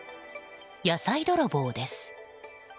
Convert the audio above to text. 野菜泥棒です。